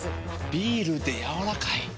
ビールでやわらかい。